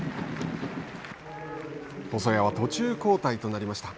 細谷は途中交代となりました。